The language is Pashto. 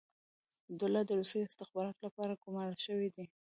عبدالله د روسي استخباراتو لپاره ګمارل شوی دی.